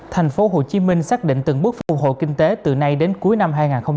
thành phố hồ chí minh xác định từng bước phục hồi kinh tế từ nay đến cuối năm hai nghìn hai mươi một